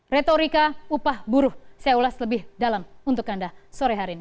retorika upah buruh saya ulas lebih dalam untuk anda sore hari ini